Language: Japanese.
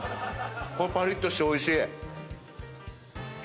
これパリッとしておいしい。